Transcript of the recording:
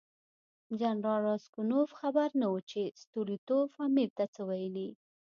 جنرال راسګونوف خبر نه و چې ستولیتوف امیر ته څه ویلي.